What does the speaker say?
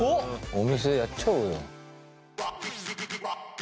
お店やっちゃおうよ。